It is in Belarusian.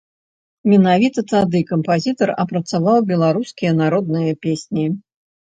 Менавіта тады кампазітар апрацаваў беларускія народныя песні.